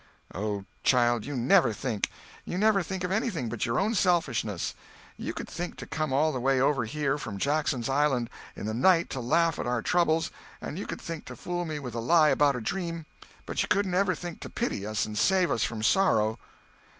"Oh, child, you never think. You never think of anything but your own selfishness. You could think to come all the way over here from Jackson's Island in the night to laugh at our troubles, and you could think to fool me with a lie about a dream; but you couldn't ever think to pity us and save us from sorrow."